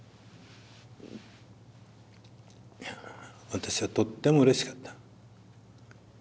私はとってもうれしかった。